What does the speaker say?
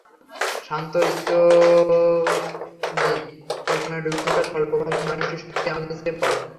শান্ত, স্থিতধী, কল্পনায় ডুবে থাকা স্বল্পভাষী মানুষটি সত্যিই আমাদের চেয়ে বড়।